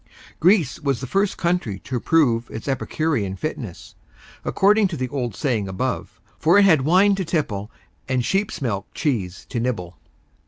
Greece was the first country to prove its epicurean fitness, according to the old saying above, for it had wine to tipple and sheep's milk cheese to nibble.